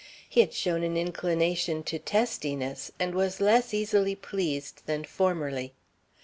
He had shown an inclination to testiness, and was less easily pleased than formerly.